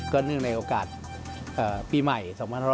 เนื่องในโอกาสปีใหม่๒๕๖๐